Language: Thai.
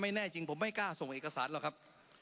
แน่จริงผมไม่กล้าส่งเอกสารหรอกครับ